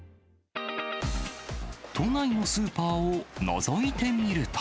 都内のスーパーをのぞいてみると。